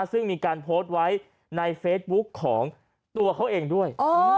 ซึ่งมีการโพสต์ไว้ในเฟซบุ๊คของตัวเขาเองด้วย